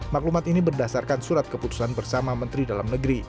maklumat ini berdasarkan surat keputusan bersama menteri dalam negeri